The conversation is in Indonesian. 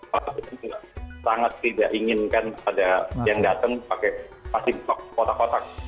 kita sangat tidak inginkan ada yang datang pakai kotak kotak